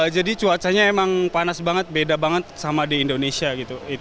jadi cuacanya emang panas banget beda banget sama di indonesia gitu